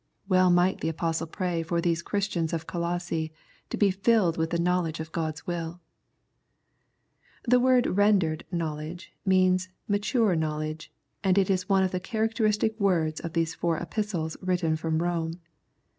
Well might the Apostle pray for these Christians of Colosse to be filled with the knowledge of God's will. The word rendered " knowledge " means " mature knowledge," and is one of the characteristic words of these four Epistles written from Rome.